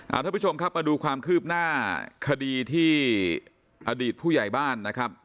ท่านผู้ชมครับมาดูความคืบหน้าคดีที่อดีตผู้ใหญ่บ้านนะครับ